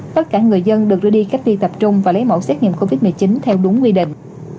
tất cả người dân được đưa đi cách ly tập trung và lấy mẫu xét nghiệm covid một mươi chín theo đúng quy định